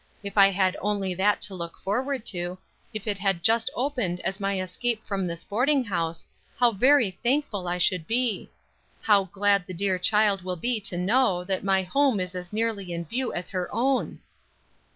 If I had only that to look forward to, if it had just opened as my escape from this boarding house, how very thankful I should be! How glad the dear child will be to know that my home is as nearly in view as her own."